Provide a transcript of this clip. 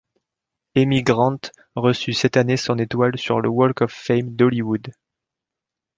Amy Grant reçut cette année son étoile sur le Walk of Fame d'Hollywood.